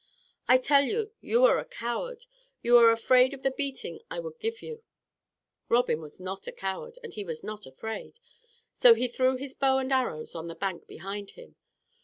I tell you, you are a coward. You are afraid of the beating I would give you." Robin was not a coward, and he was not afraid. So he threw his bow and arrows on the bank behind him.